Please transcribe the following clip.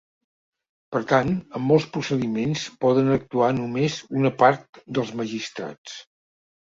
Per tant, en molts procediments poden actuar només una part dels magistrats.